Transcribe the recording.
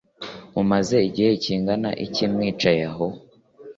Mumaze igihe kingana iki mwicaye hano